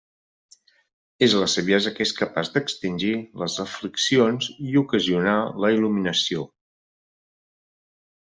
És la saviesa que és capaç d'extingir les afliccions i ocasionar la il·luminació.